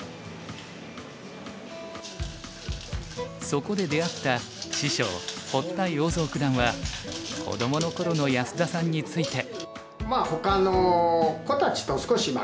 そこで出会った師匠堀田陽三九段は子どもの頃の安田さんについて。